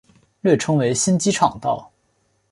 略称为新机场道。